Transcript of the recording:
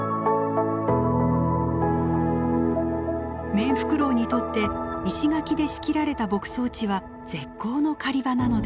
メンフクロウにとって石垣で仕切られた牧草地は絶好の狩り場なのです。